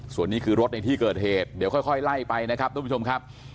ส่วนนี้คือรถในที่เกิดเหตุเดี๋ยวค่อยไล่ไปนะครับทุกผู้ชมครับ